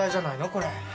これ。